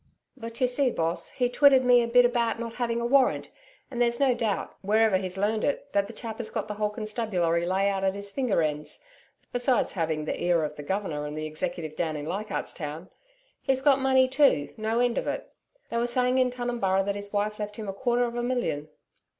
'But you see, Boss, he twitted me a bit about not having a warrant, and there's no doubt, wherever he's learned it, that the chap has got the whole constabulary lay out at his finger ends besides having the ear of the Governor and the Executive down in Leichardt's Town. He's got money too, no end of it. They were saying in Tunumburra that his wife left him a quarter of a million.'